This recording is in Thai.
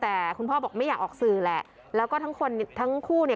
แต่คุณพ่อบอกไม่อยากออกสื่อแหละแล้วก็ทั้งคนทั้งคู่เนี่ย